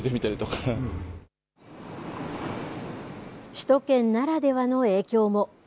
首都圏ならではの影響も。